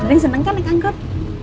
mending seneng kan nih kanker